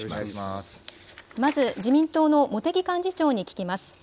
まず自民党の茂木幹事長に聞きます。